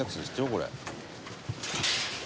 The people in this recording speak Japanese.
これ」